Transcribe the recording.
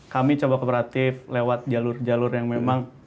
kami coba kooperatif lewat jalur jalur yang memang